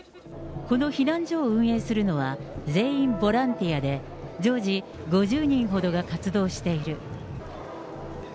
この避難所を運営するのは全員ボランティアで、常時５０人ほどが活動している。